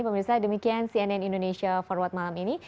pemirsa demikian cnn indonesia forward malam ini